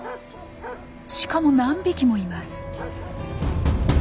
しかも何匹もいます。